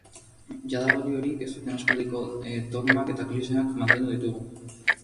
Jada baliorik ez duten aspaldiko dogmak eta klixeak mantendu ditugu.